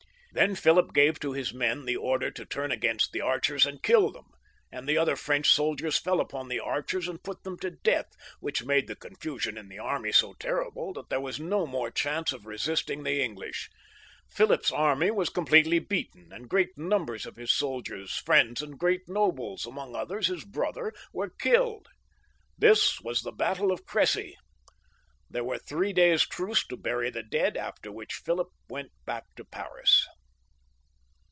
Then Philip gave to his men the order to turn against the archers and kill them, and the other French soldiers fell upon the archers and put them to death, which made the confusion in the army so terrible that there was no more chance of resisting the English. Philip's army was com pletely beaten ; and great numbers of his soldiers, friends, and great nobles, among others his brother, were killed. This was the battle of Cressy. There were three days' truce to bury the dead, after which Philip went back to Paris.